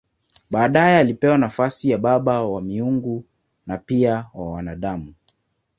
Baadaye alipewa nafasi ya baba wa miungu na pia wa wanadamu.